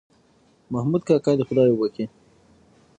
محمود کاکا دې خدای وبښي